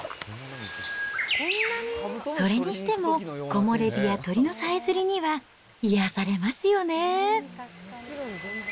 それにしても、木漏れ日や鳥のさえずりには、癒やされますよねぇ。